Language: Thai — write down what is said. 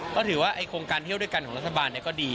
ก็ถือว่าโครงการเที่ยวด้วยกันของรัฐบาลก็ดี